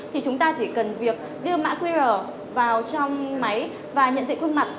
thì chúng ta chỉ cần việc đưa mã qr vào trong máy và nhận diện khuôn mặt